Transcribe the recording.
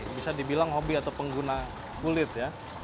bisa dibilang hobi atau pengguna kulit ya